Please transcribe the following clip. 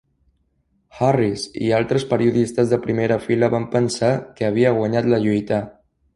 Harris i altres periodistes de primera fila van pensar que havia guanyat la lluita.